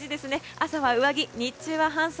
朝は上着日中は半袖。